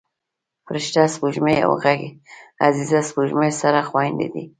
فرشته سپوږمۍ او عزیزه سپوږمۍ سره خویندې دي